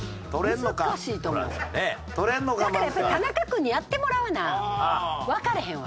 だからやっぱり田中君にやってもらわなわかれへんわ。